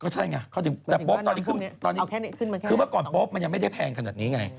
ก็ใช่ไงแต่โอ้พบนี้คือว่าก่อนโอ้พบยังไม่ได้แพงขนาดนี้ไง